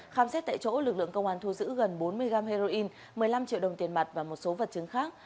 khám xét tại chỗ lực lượng công an thu giữ gần bốn mươi g heroin một mươi năm triệu đồng tiền mặt và một số vật chứng khác